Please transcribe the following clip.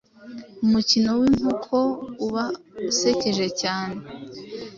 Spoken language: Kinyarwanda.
Umukino w'Inkoko uba usekeje cyane